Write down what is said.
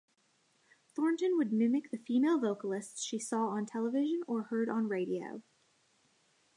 Thornton would mimic the female vocalists she saw on television or heard on radio.